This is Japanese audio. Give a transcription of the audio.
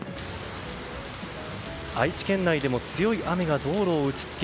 愛知県内でも強い雨が道路を打ち付け